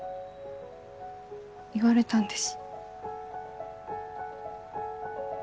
言われたんです。